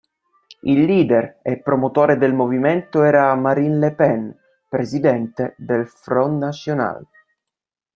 Il leader e promotore del movimento era Marine Le Pen, presidente del Front National.